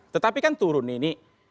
tetapi kan turun ini